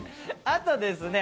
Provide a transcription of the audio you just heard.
あとですね。